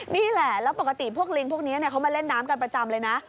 นี่แหละแล้วปกติพวกลิงพวกนี้เขามาเล่นน้ำกันประจำเลยนะ